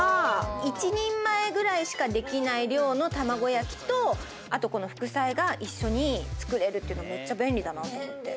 １人前ぐらいしかできない量の卵焼きと、副菜が一緒に作れるというのめっちゃ便利だなと思って。